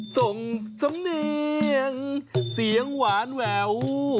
ส่งสำเนียงเสียงหวานแหวว